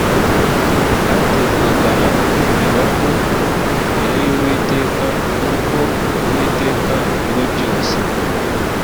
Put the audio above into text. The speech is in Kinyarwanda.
haterwagara imibavu imbere y’ uwiteka kuko uwiteka niwebyose.